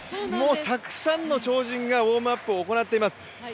たくさんの超人がウォームアップを行っています。